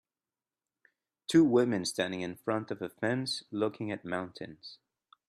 Two women standing in front of a fence looking at mountains.